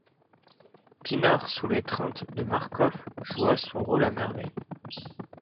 Pinard, sous l'étreinte de Marcof, joua son rôle à merveille.